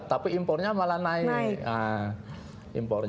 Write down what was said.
tapi impornya malah naik impornya